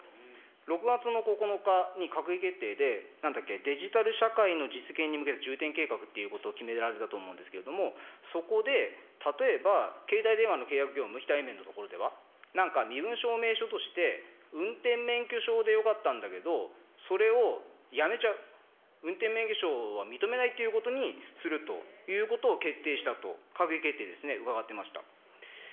６月の９日に閣議決定で、なんだっけ、デジタル社会の実現に向けた重点計画ということを決められたと思うんですけれども、そこで例えば、携帯電話の契約業務、非対面のところでは、なんか身分証明書として、運転免許証でよかったんだけど、それをやめちゃう、運転免許証は認めないということにするということを決定したと、閣議決定ですね、伺っていました。